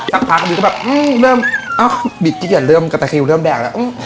สักพักอยู่ก็แบบอื้อเริ่มอ้าวบิดเกลียดเริ่มกะตะคิวเริ่มแดกแล้ว